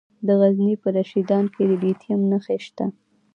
د غزني په رشیدان کې د لیتیم نښې شته.